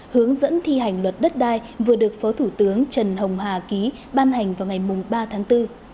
hướng dẫn thi hành luật đất đai vừa được phó thủ tướng trần hồng hà ký ban hành vào ngày ba tháng bốn